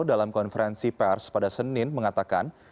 dalam konferensi pers pada senin mengatakan